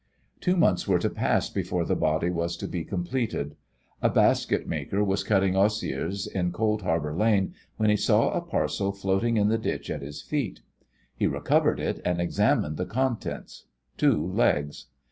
Two months were to pass before the body was to be completed. A basket maker was cutting osiers in Coldharbour Lane when he saw a parcel floating in the ditch at his feet. He recovered it and examined the contents two legs.